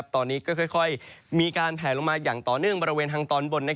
ตอนนี้ก็ค่อยมีการแผลลงมาอย่างต่อเนื่องบริเวณทางตอนบน